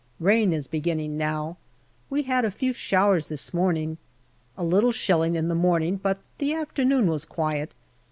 Rain is beginning now. We had a few showers this morning. A little shelling in the morning, but the afternoon was quiet.